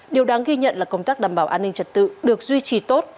điều đáng ghi nhận là công tác đảm bảo an ninh trật tự được duy trì tốt